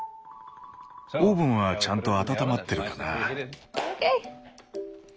オーブンはちゃんと温まってるかな？